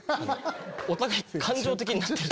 お互い感情的になってる。